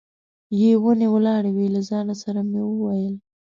یې ونې ولاړې وې، له ځان سره مې وویل.